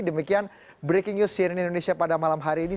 demikian breaking news cnn indonesia pada malam hari ini